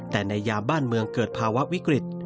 แต่ในยามบ้านเมืองเกิดภาวะวิกฤต